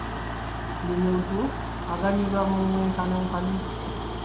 Buli muntu aganyulwa mu mwenkanonkano.